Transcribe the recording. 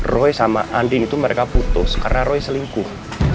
roy sama andin itu mereka putus karena roy selingkuh